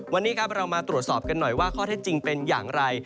วันนี้ครับเรามาตรวจสอบกันหน่อยว่าข้อเท็จจริงเป็นอย่างไร